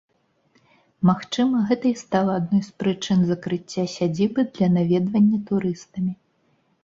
Магчыма, гэта і стала адной з прычын закрыцця сядзібы для наведвання турыстамі.